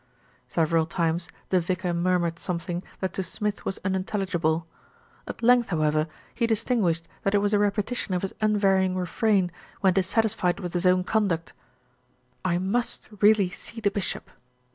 Several times the vicar murmured something that to Smith was unintelligible. At length, however, he distin guished that it was a repetition of his unvarying re frain, when dissatisfied with his own conduct, "I must really see the bishop."